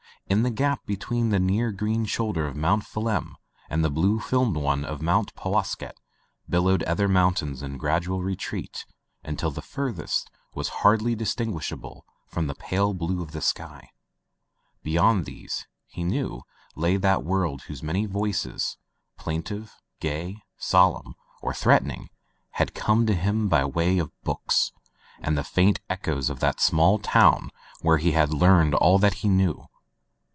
In the gap be tween the near green shoulder of Mount Phelim and the blue filmed one of Powas ket billowed other mountains in gradual retreat until the farthest was hardly distin [ 290 ] Digitized by LjOOQ IC Son of the Woods guishable from the pale blue of the sky. Be yond these, he knew, lay that world whose many voices, plaintive, gay, solemn, or threatening, had come to him by way of books and the faint echoes of that small town where he had learned all that he knew.